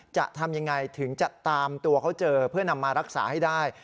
จะทำยังไงถึงจะตามตัวเขาเจอเพื่อนำมารักษาให้ได้